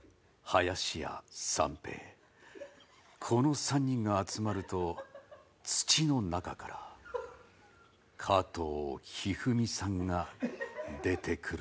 この３人が集まると土の中から加藤一二三さんが出てくるんですよ。